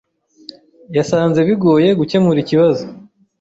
Yasanze bigoye gukemura ikibazo.